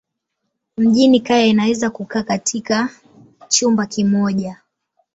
Mjini kaya inaweza kukaa katika chumba kimoja.